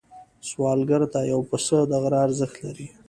سوالګر ته یو پيسه د غره ارزښت لري